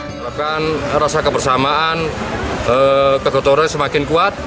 menurutkan rasa kebersamaan kegotoran semakin kuat